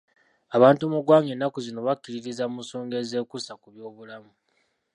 Abantu mu ggwanga ennaku zino bakkiririza mu nsonga ezeekuusa ku by'obulamu.